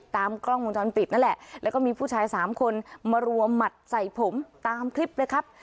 ตามกล้องวงจรปิดนั่นแหละแล้วก็มีผู้ชายสามคนมารัวหมัดใส่ผมตามคลิปเลยครับ